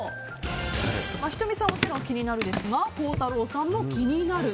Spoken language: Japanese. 仁美さんはもちろん気になるですが孝太郎さんも気になる。